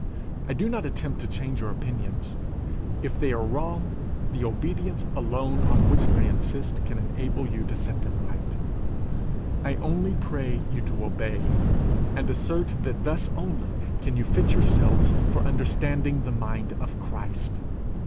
I do not attempt to change your opinions; if they are wrong, the obedience alone on which I insist can enable you to set them right; I only pray you to obey, and assert that thus only can you fit yourselves for understanding the mind of Christ.